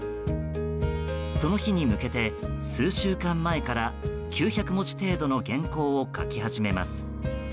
その日に向けて、数週間前から９００文字程度の原稿を書き始めます。